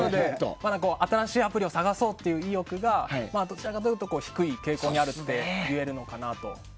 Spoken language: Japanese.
新しいアプリを探そうという意欲がどちらかというと低い傾向にあるといえるのかなと。